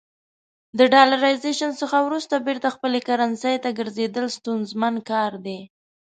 د ډالرایزیشن څخه وروسته بیرته خپلې کرنسۍ ته ګرځېدل ستونزمن کار دی.